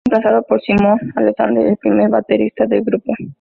Fue reemplazado por Simon Alexander, el primer baterista del grupo.